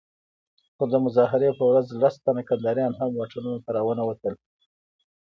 خو د مظاهرې په ورځ لس تنه کنداريان هم واټونو ته راونه وتل.